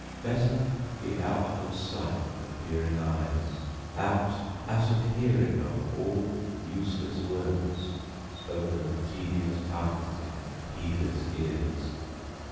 Better be out of sight of peering eyes; Out out of hearing of all useless words, Spoken of tedious tongues in heedless ears.